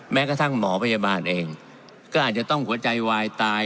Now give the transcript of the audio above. แม้กระทั่งหมอพยาบาลเองก็อาจจะต้องหัวใจวายตาย